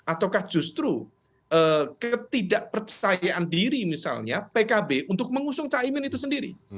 ataukah justru ketidakpercayaan diri misalnya pkb untuk mengusung caimin itu sendiri